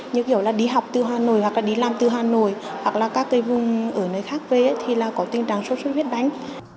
như kiểu là đi học từ hà nội hoặc là đi làm từ hà nội hoặc là các cái vùng ở nơi khác về thì là có tình trạng sốt xuất huyết đánh